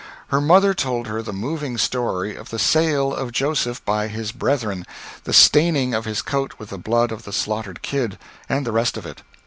Her mother told her the moving story of the sale of Joseph by his brethren, the staining of his coat with the blood of the slaughtered kid, and the rest of it.